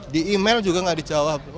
di email juga nggak dijawab